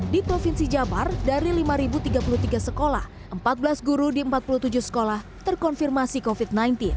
di provinsi jabar dari lima tiga puluh tiga sekolah empat belas guru di empat puluh tujuh sekolah terkonfirmasi covid sembilan belas